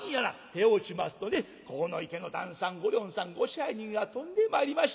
手を打ちますとね鴻池の旦さんごりょんさんご支配人が飛んでまいりまして。